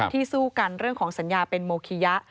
สู้กันเรื่องของสัญญาเป็นโมคิยะ